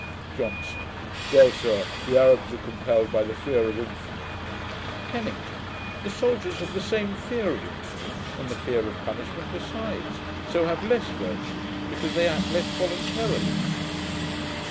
JOHNSON. 'Well, sir, the Arabs are compelled by the fear of infamy.' PENNINGTON. 'The soldiers have the same fear of infamy, and the fear of punishment besides; so have less virtue; because they act less voluntarily.'